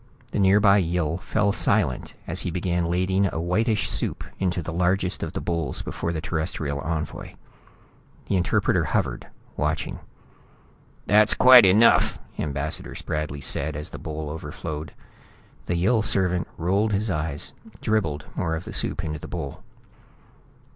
The nearby Yill fell silent as he began ladling a whitish soup into the largest of the bowls before the Terrestrial envoy. The interpreter hovered, watching. "That's quite enough," Ambassador Spradley said, as the bowl overflowed. The Yill servant rolled his eyes, dribbled more of the soup into the bowl.